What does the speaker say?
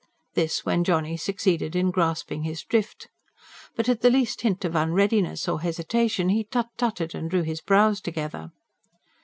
This when Johnny succeeded in grasping his drift. But at the least hint of unreadiness or hesitation, he tut tutted and drew his brows together.